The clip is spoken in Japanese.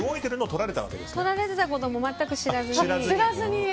撮られてたことも全く知らずに。